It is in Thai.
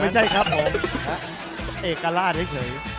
ไม่ใช่ครับผมเอกล่านี่เฉย